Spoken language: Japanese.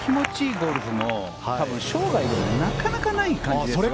ゴルフ生涯でもなかなかないですよ。